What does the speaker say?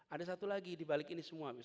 ada satu lagi dibalik ini semua